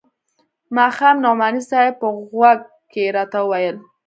ماښام نعماني صاحب په غوږ کښې راته وويل.